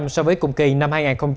so với cùng kỳ năm hai nghìn hai mươi ba